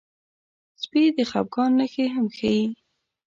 سپي د خپګان نښې هم ښيي.